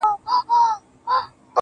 o د شنو خالونو د ټومبلو کيسه ختمه نه ده.